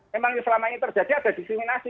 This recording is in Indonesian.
memang selama ini terjadi ada diskriminasi